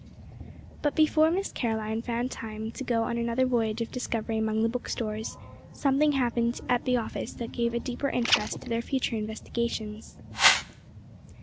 But before Miss Caroline found time to go on another voyage of discovery among the book stores, something happened at the office that gave a deeper interest to their future investigations.